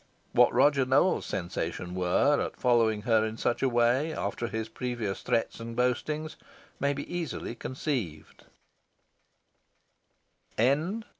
What Roger Nowell's sensations were at following her in such a way, after his previous threats and boastings, may be easily conceived.